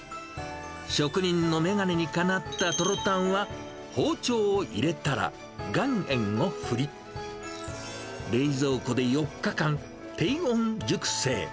職人の眼鏡にかなったトロたんは、包丁を入れたら岩塩を振り、冷蔵庫で４日間、低温熟成。